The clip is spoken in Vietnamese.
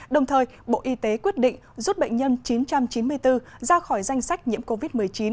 đồng thời bộ y tế quyết định rút bệnh nhân chín trăm chín mươi bốn ra khỏi danh sách nhiễm covid một mươi chín